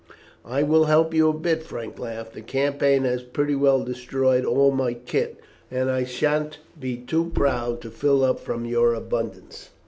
"I will help you a bit," Frank laughed. "The campaign has pretty well destroyed all my kit, and I shan't be too proud to fill up from your abundance."